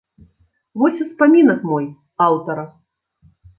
Вось успамінак мой, аўтара.